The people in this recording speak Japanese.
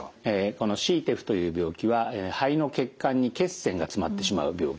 このＣＴＥＰＨという病気は肺の血管に血栓が詰まってしまう病気です。